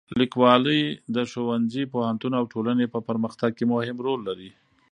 لیکوالی د ښوونځي، پوهنتون او ټولنې په پرمختګ کې مهم رول لري.